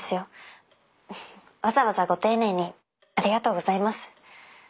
わざわざご丁寧にありがとうございます。